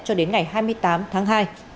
cho đến ngày hai mươi tám tháng hai